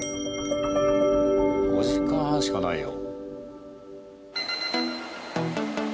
５時間半しかないよ。